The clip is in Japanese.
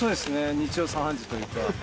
日常茶飯事というか。